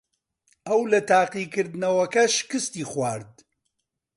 ئەو لە تاقیکردنەوەکە شکستی خوارد.